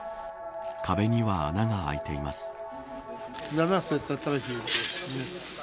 壁には穴があいています。